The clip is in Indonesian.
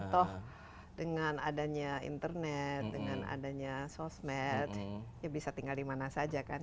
toh dengan adanya internet dengan adanya sosmed ya bisa tinggal dimana saja kan